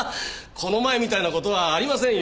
この前みたいな事はありませんよ。